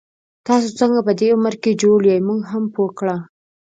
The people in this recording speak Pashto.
تاسو څنګه په دی عمر کي جوړ يې، مونږ هم پوه کړه